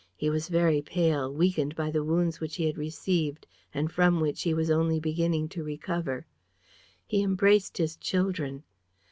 He was very pale, weakened by the wounds which he had received and from which he was only beginning to recover. He embraced his children.